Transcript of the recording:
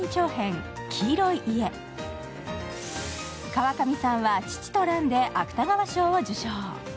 川上さんは「乳と卵」で芥川賞を受賞。